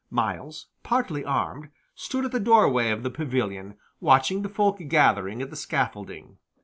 Myles, partly armed, stood at the door way of the pavilion, watching the folk gathering at the scaffolding.